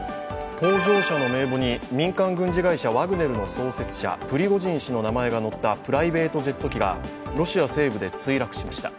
搭乗者の名簿に民間軍事会社ワグネルの創設者、プリゴジン氏の名前が載ったプライベートジェット機がロシア西部で墜落しました。